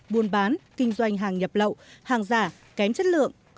buôn bán kinh doanh hàng nhập lậu hàng giả kém chất lượng